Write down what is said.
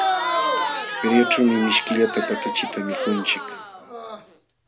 Feriaćhuumi mishkillata patachita mikunchik.